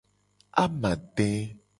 Amade.